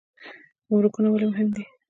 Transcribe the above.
ګمرکونه ولې مهم دي؟